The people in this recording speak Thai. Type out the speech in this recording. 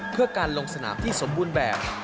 เพื่อการลงสนามที่สมบูรณ์แบบ